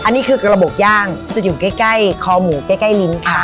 อันนี้คือกระบบย่างจะอยู่ใกล้คอหมูใกล้ลิ้นค่ะ